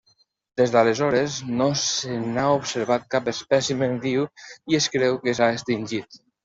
Des d'aleshores no se n'ha observat cap espècimen viu i es creu que s'ha extingit.